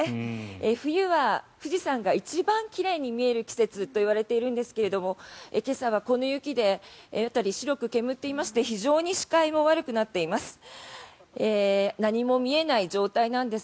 冬は富士山が一番奇麗に見える季節といわれているんですけども今朝はこの雪で辺り、白く煙っていまして非常に視界も悪くなっています。